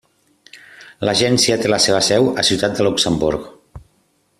L'agència té la seva seu a Ciutat de Luxemburg.